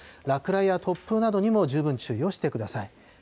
落雷や突風などにも十分注意をしてください。